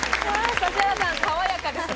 指原さん、爽やかですね。